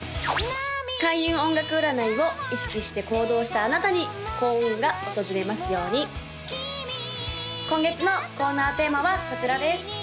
開運音楽占いを意識して行動したあなたに幸運が訪れますように今月のコーナーテーマはこちらです